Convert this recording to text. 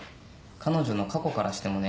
彼女の過去からしてもね。